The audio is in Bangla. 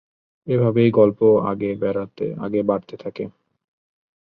এভাবেই গল্প আগে বাড়তে থাকে।